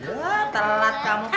udah telat kamu